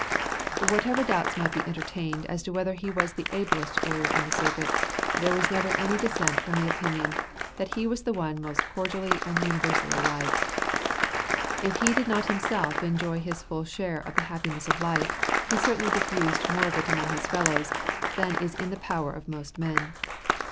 ] Whatever doubts might be entertained as to whether he was the ablest lawyer on the circuit, there was never any dissent from the opinion that he was the one most cordially and universally liked. If he did not himself enjoy his full share of the happiness of life, he certainly diffused more of it among his fellows than is in the power of most men.